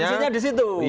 substansinya di situ